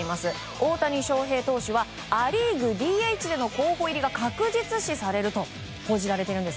大谷翔平投手はア・リーグＤＨでの候補入りが確実視されると報じられているんです。